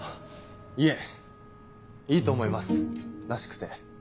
いえいいと思いますらしくて。